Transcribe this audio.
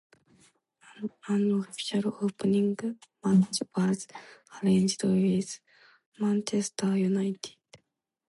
An official opening match was arranged with Manchester United.